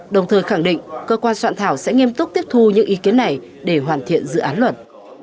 đồng thời khẳng định cơ quan soạn thảo sẽ nghiêm túc tiếp thu những ý kiến này để hoàn thiện dự án luật